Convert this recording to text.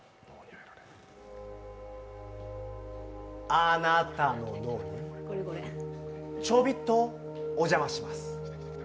あなたの脳にちょびっとお邪魔します。